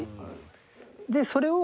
でそれを。